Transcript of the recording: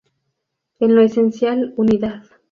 En lo esencial, unidad.